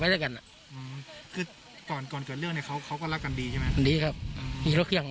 ก็มาหันนะครับมาหัน